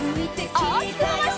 おおきくまわして。